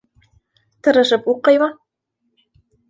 Тырышып уҡыймы?..